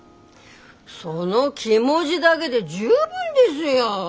その気持ぢだげで十分ですよ。